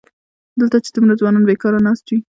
دلته چې دومره ځوانان بېکاره ناست وي.